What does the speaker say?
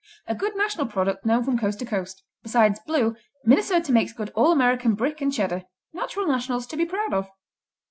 _ A good national product known from coast to coast. Besides Blue, Minnesota makes good all American Brick and Cheddar, natural nationals to be proud of.